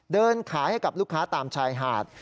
เดินขายให้กับลูกค้าตามชายหาด